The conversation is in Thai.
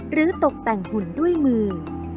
ตกแต่งหุ่นด้วยมือ